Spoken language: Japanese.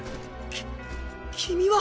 き君は！